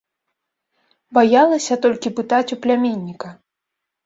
Баялася толькі пытаць у пляменніка.